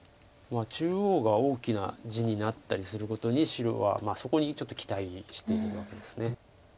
中央が大きな地になったりすることに白はそこにちょっと期待しているわけです。